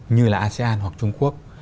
như là asean hoặc trung quốc